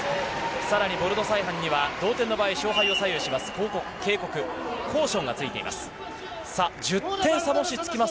さらにボルドサイハンには同点の場合、勝敗を左右します警告、コーションがついています。